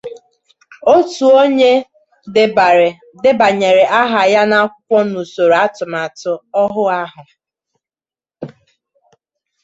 otu onye e debànyèrè aha ya n'akwụkwọ n'usoro atụmatụ ọhụụ ahụ